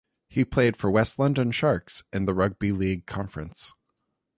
He played for West London Sharks in the Rugby League Conference.